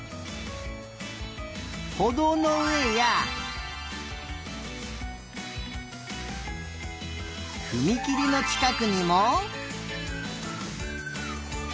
ほどうのうえやふみきりのちかくにも。